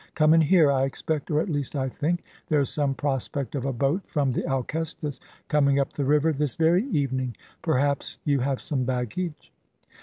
Come in here. I expect, or at least I think, there is some prospect of a boat from the Alcestis coming up the river this very evening. Perhaps you have some baggage."